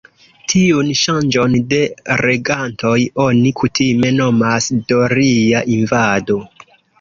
Tiun ŝanĝon de regantoj oni kutime nomas «doria invado».